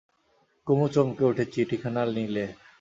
কুমু চমকে উঠে চিঠিখানা নিলে।